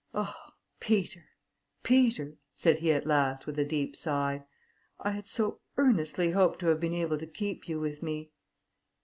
"Oh! Peter, Peter!" said he at last, with a deep sigh, "I had so earnestly hoped to have been able to keep you with me!"